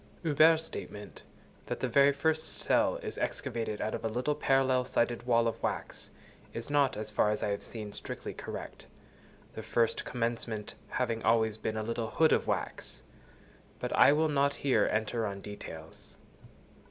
Huber's statement, that the very first cell is excavated out of a little parallel sided wall of wax, is not, as far as I have seen, strictly correct; the first commencement having always been a little hood of wax; but I will not here enter on details.